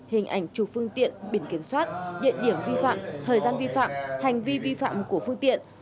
hình ảnh chủ phương tiện biển kiểm soát địa điểm vi phạm thời gian vi phạm hành vi vi phạm của phương tiện